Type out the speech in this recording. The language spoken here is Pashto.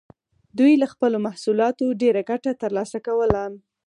دوی له خپلو محصولاتو ډېره ګټه ترلاسه کوله.